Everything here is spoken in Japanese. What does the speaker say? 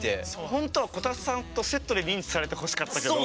本当はこたつさんとセットで認知されてほしかったけど。